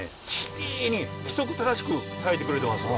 きれいに規則正しく咲いてくれてますわ。